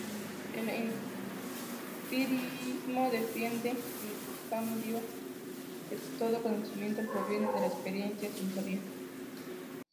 El empirismo defiende, en cambio, que "todo" conocimiento proviene de la experiencia sensorial.